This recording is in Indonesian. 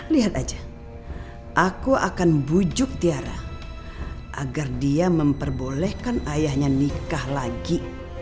lihat aja aku akan bujuk tiara agar dia memperbolehkan ayahnya nikah lagi